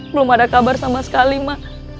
belum ada kabar sama sekali mak